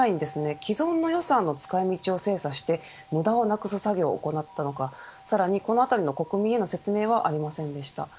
既存の予算の使い道を精査して無駄をなくす作業を行ったのかこのあたりへの国民の説明はありませんでした。